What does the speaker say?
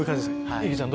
いげちゃん